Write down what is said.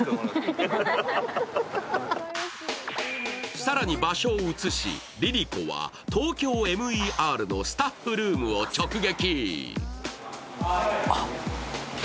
更に場所を移しＬｉＬｉＣｏは「ＴＯＫＹＯＭＥＲ」のスタッフルームを直撃。